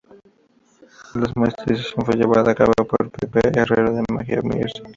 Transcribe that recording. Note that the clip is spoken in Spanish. La masterización fue llevada a cabo por Pepe Herrero en Mágica Music Estudios.